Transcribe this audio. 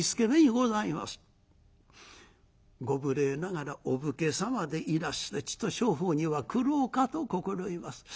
ご無礼ながらお武家様でいらしてちと商法には苦労かと心得ます。